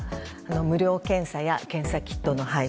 無料検査や検査キットの配布